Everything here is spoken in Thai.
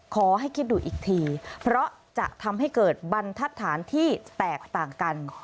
ขอให้คิดดูอีกทีเพราะจะทำให้เกิดบรรทัศน์ที่แตกต่างกัน